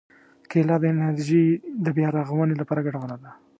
کېله د انرژي د بیا رغونې لپاره ګټوره ده.